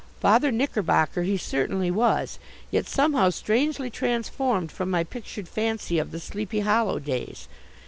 Father Knickerbocker he certainly was, yet somehow strangely transformed from my pictured fancy of the Sleepy Hollow days.